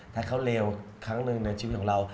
ถ้าเขาเลวครั้งหนึ่งในชีวิตของเรา